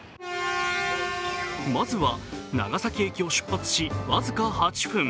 まずは、長崎駅を出発し、僅か８分。